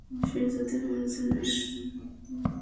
সে যদি আমার জানে?